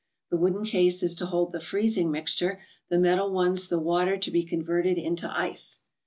The wooden case is to hold the freezing mixture, the metal ones the water to be converted into ice.